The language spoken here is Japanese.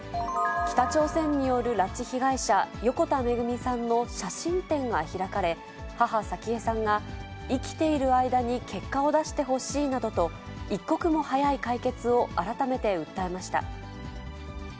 北朝鮮による拉致被害者、横田めぐみさんの写真展が開かれ、母、早紀江さんが、生きている間に結果を出してほしいなどと、一刻も早い解決を改めて訴えました。